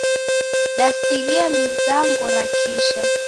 Dasighie mizango ra kisha.